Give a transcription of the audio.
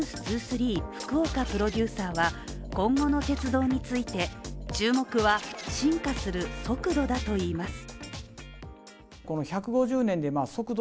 福岡プロデューサーは今後の鉄道について、注目は進化する速度だといいます。